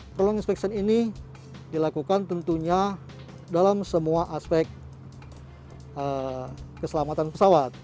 prolong inspection ini dilakukan tentunya dalam semua aspek keselamatan pesawat